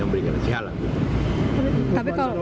yang berikan syarat gitu